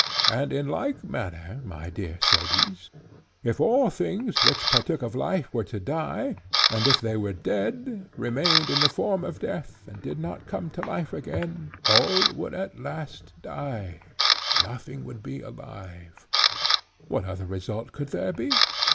And in like manner, my dear Cebes, if all things which partook of life were to die, and after they were dead remained in the form of death, and did not come to life again, all would at last die, and nothing would be alive—what other result could there be?